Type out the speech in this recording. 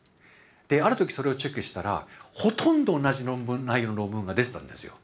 である時それをチェックしたらほとんど同じ内容の論文が出てたんですよ。